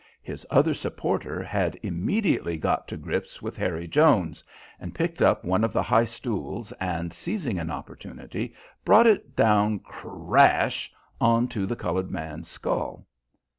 His other supporter had immediately got to grips with Harry Jones, and picked up one of the high stools and, seizing an opportunity, brought it down crash on to the coloured man's skull.